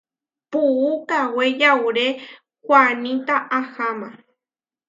Puú kawé yauré huaníta aháma.